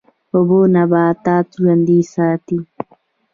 اوبه نباتات ژوندی ساتي.